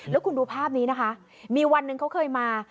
แล้วคุณดูภาพนี้นะคะมีวันหนึ่งเขาเคยมา